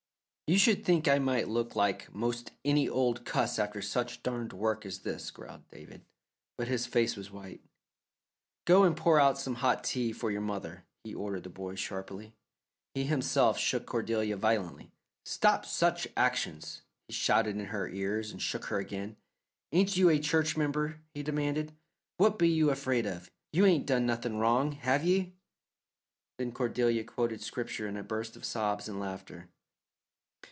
"Should think I might look like 'most any old cuss after such darned work as this," growled David, but his face was white. "Go and pour out some hot tea for your mother," he ordered the boy sharply. He himself shook Cordelia violently. "Stop such actions!" he shouted in her ears, and shook her again. "Ain't you a church member?" he demanded; "what be you afraid of? You ain't done nothin' wrong, have ye?" Then Cordelia quoted Scripture in a burst of sobs and laughter.